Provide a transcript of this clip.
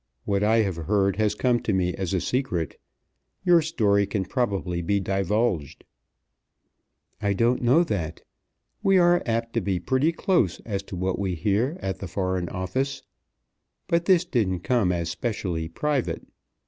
What I have heard has come to me as a secret. Your story can probably be divulged." "I don't know that. We are apt to be pretty close as to what we hear at the Foreign Office. But this didn't come as specially private.